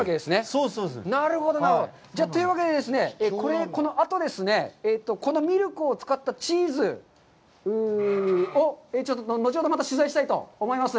そうです。というわけで、このあと、このミルクを使ったチーズを後ほどまた取材したいと思います。